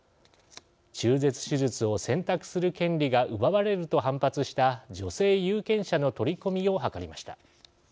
中絶手術を選択する権利が奪われると反発した女性有権者の取り込みをはかりました。